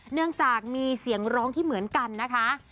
เนื่องจากมีเสียงร้องที่เหมือนกันนะคะ